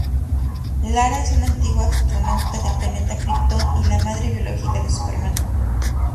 Lara es una antigua astronauta del planeta Krypton y la madre biológica de Superman.